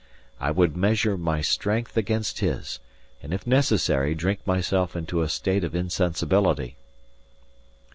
I would measure my strength against his, and if necessary drink myself into a state of insensibility.